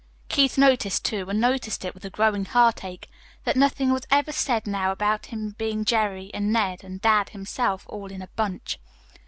Keith noticed, too, and noticed it with a growing heartache, that nothing was ever said now about his being Jerry and Ned and dad himself all in a bunch.